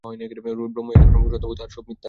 ব্রহ্মই একমাত্র সত্য বস্তু, আর সব মিথ্যা।